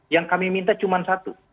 yang kami minta cuma satu